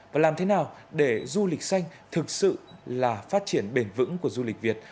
và làm thế nào để du lịch xanh thực sự là phát triển bền vững của du lịch việt